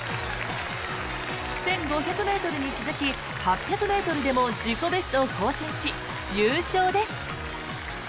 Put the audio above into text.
１５００ｍに続き８００ｍでも自己ベストを更新し、優勝です。